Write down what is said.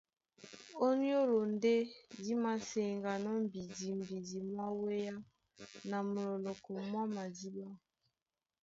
Ó nyólo ndé dí māseŋganɔ́ mbidimbidi mwá wéá na mulɔlɔkɔ mwá madíɓá.